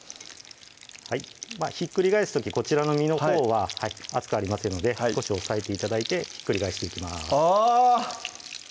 ひっくり返す時こちらの身のほうは熱くありませんので少し押さえて頂いてひっくり返していきますあぁ！